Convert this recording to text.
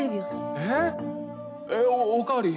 えっおかわり。